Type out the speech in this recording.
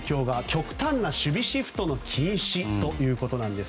極端な守備シフトの禁止ということです。